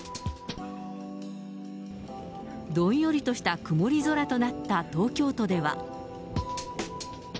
どんよりとした曇り空となった東京都では。